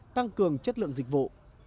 tăng cường chất lượng dịch vụ